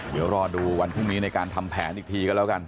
เดี๋ยวรอดูวันพรุ่งนี้ในการทำแผนอีกทีก็แล้วกัน